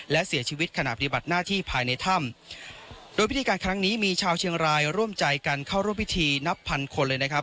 และเสียชีวิตขณะปฏิบัติหน้าที่ภายในถ้ำโดยพิธีการครั้งนี้มีชาวเชียงรายร่วมใจกันเข้าร่วมพิธีนับพันคนเลยนะครับ